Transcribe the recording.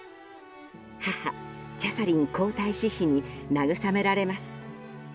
母キャサリン皇太子妃に慰められます。